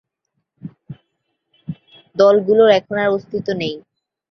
এই দলগুলোর এখন আর অস্তিত্ব নেই।